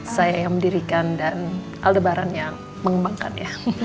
saya yang mendirikan dan aldebaran yang mengembangkan ya